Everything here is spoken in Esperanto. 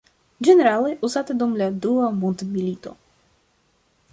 Ĝenerale uzata dum la dua mondmilito.